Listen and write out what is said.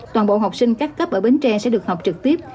toàn bộ học sinh các cấp ở bến tre sẽ được học trực tiếp